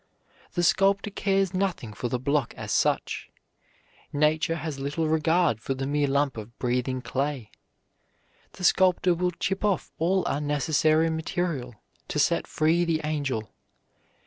The sculptor cares nothing for the block as such; Nature has little regard for the mere lump of breathing clay. The sculptor will chip off all unnecessary material to set free the angel.